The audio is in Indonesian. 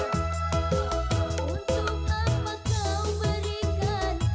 kau yang selalu membuat aku kesedihan